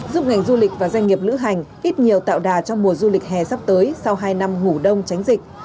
giúp ngành du lịch và doanh nghiệp lữ hành ít nhiều tạo đà cho mùa du lịch hè sắp tới sau hai năm ngủ đông tránh dịch